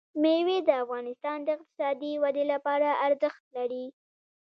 مېوې د افغانستان د اقتصادي ودې لپاره ارزښت لري.